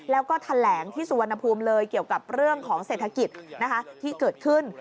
แล้วก็แถลงที่สุวรรณภูมิเลยเกี่ยวกับเรื่องของเศรษฐกิจที่เกิดขึ้น